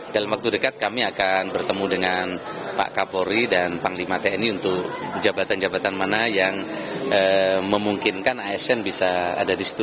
dalam waktu dekat kami akan bertemu dengan pak kapolri dan panglima tni untuk jabatan jabatan mana yang memungkinkan asn bisa ada di situ